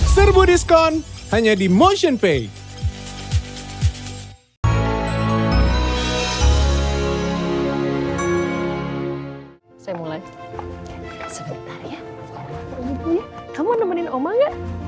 serbu diskon hanya di motionpay